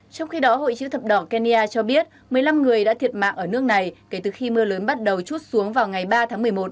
trong khi đó hội chữ thập đỏ kenya cho biết một mươi năm người đã thiệt mạng ở nước này kể từ khi mưa lớn bắt đầu chút xuống vào ngày ba tháng một mươi một